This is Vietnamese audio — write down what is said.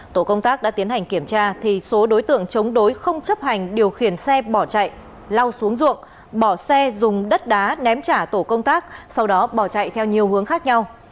tổ công tác đã tiến hành kiểm tra thì số đối tượng chống đối không chấp hành điều khiển xe bỏ chạy lau xuống ruộng bỏ xe dùng đất đá ném trả tổ công tác sau đó bỏ chạy theo nhiều hướng khác nhau